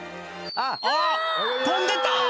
「あぁ飛んでった！」